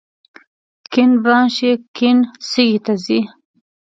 کیڼ برانش یې کیڼ سږي ته ځي.